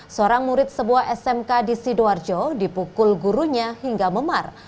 seorang murid sebuah smk di sidoarjo dipukul gurunya hingga memar